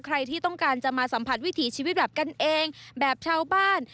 ใครที่ต้องการจะมาสัมผัสวิถีชีวิตแบบกันเองแบบชาวบ้าน